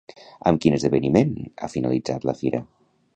Amb quin esdeveniment ha finalitzat la Fira?